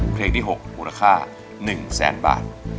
เพลงที่๖มูลค่า๑แสนบาท